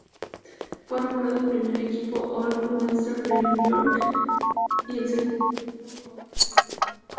Fue nombrado primer equipo All-Western de Nueva York y segundo equipo All-State.